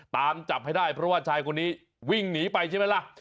ตามจับให้ได้เพราะว่าชายคนนี้วิ่งหนีไปใช่ไหมล่ะ